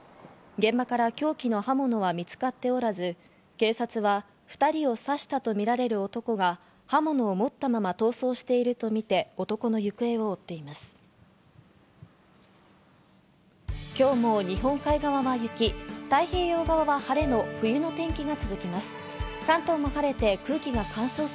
現場から凶器の刃物は見つかっておらず、警察は２人を刺したとみられる男が刃物を持ったまま逃走しているとみて男の行方を追っています。